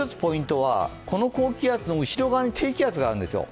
この高気圧の後ろ側に低気圧があるんですよ。